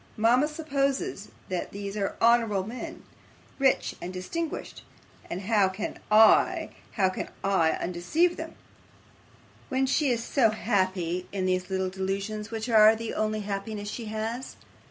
Mama supposes that these are honourable men, rich and distinguished, and how CAN I how can I undeceive her when she is so happy in these little delusions, which are the only happiness she has?